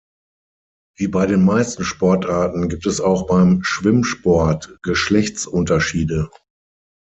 Wie bei den meisten Sportarten gibt es auch beim Schwimmsport Geschlechtsunterschiede.